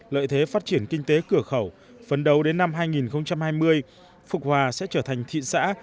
lợi thế phát triển kinh tế cửa khẩu phần đầu đến năm hai nghìn hai mươi phục hòa sẽ trở thành thị xã